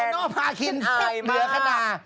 โตโน้มาเหลือขนาด